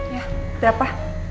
ya ada apa